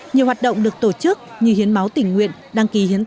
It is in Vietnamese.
nhiều hoạt động được tổ chức như hiến máu tình nguyện đăng ký hiến tặng